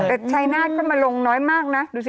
แต่ชายนาฏก็มาลงน้อยมากนะดูสิ